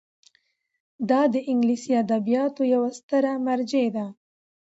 دا د انګلیسي ادبیاتو یوه ستره مرجع ده.